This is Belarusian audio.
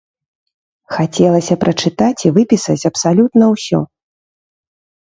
Хацелася прачытаць і выпісаць абсалютна ўсё.